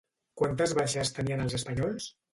Quantes baixes tenien els Espanyols?